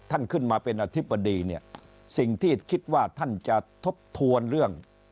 ท่านขึ้นมาเป็นอธิบดีเนี่ยสิ่งที่คิดว่าท่านจะทบทวนเรื่อง